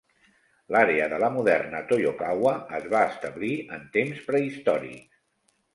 L'àrea de la moderna Toyokawa es va establir en temps prehistòrics.